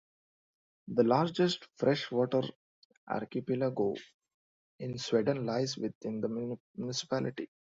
The largest fresh water archipelago in Sweden lies within the municipality.